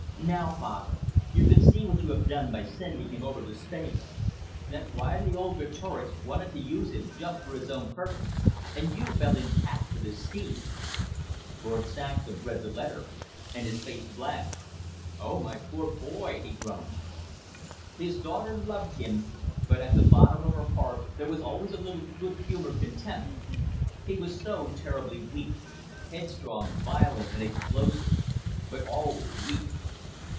"Now, father, you can see what you have done by sending him over to Spain. That wily old Greatorex wanted to use him just for his own purpose, and you fell in pat with his scheme." Lord Saxham read the letter, and his face blanched. "Oh, my poor boy," he groaned. His daughter loved him, but at the bottom of her heart there was always a little good humoured contempt. He was so terribly weak. Headstrong, violent, and explosive, but always weak.